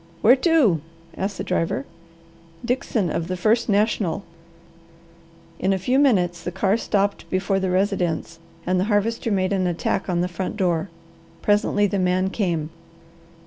"Where to?" asked the driver. "Dickson, of the First National." In a few minutes the car stopped before the residence and the Harvester made an attack on the front door. Presently the man came.